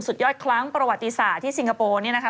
สุดยอดครั้งประวัติศาสตร์ที่สิงคโปร์เนี่ยนะคะ